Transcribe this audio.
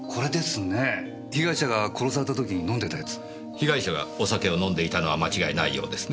被害者がお酒を飲んでいたのは間違いないようですね。